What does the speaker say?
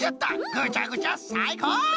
ぐちゃぐちゃさいこう！